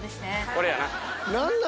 これやな。